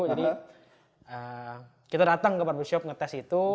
jadi kita datang ke barber shop ngetes itu